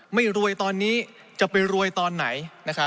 ไม่รวยตอนนี้จะไปรวยตอนไหน